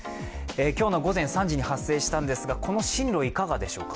今日の午前３時に発生したんですがこの進路、いかがでしょうか？